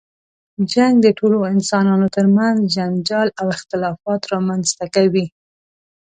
جنګ د ټولو انسانانو تر منځ جنجال او اختلافات رامنځته کوي.